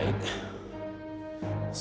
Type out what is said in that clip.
saya akan mencari aida